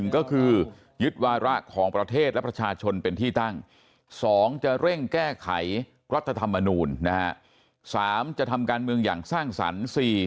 ก็คือยึดวาระของประเทศและประชาชนเป็นที่ตั้ง๒จะเร่งแก้ไขรัฐธรรมนูล๓จะทำการเมืองอย่างสร้างสรรค์